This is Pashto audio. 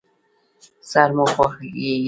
سر مو خوږیږي؟